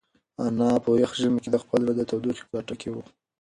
انا په یخ ژمي کې د خپل زړه د تودوخې په لټه کې وه.